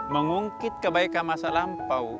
mengungkit kebaikan masa lampau